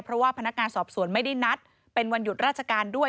เพราะว่าพนักงานสอบสวนไม่ได้นัดเป็นวันหยุดราชการด้วย